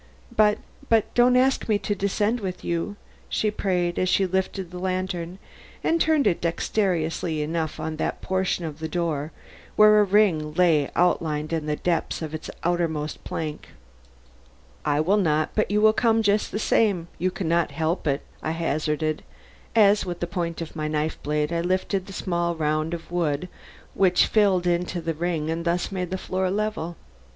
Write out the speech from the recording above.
But but don't ask me to descend with you," she prayed, as she lifted the lantern and turned it dexterously enough on that portion of the door where a ring lay outlined in the depths of its outermost plank. "I will not; but you will come just the same; you can not help it," I hazarded, as with the point of my knife blade I lifted the small round of wood which filled into the ring and thus made the floor level.